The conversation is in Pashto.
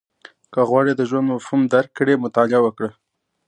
• که غواړې د ژوند مفهوم درک کړې، مطالعه وکړه.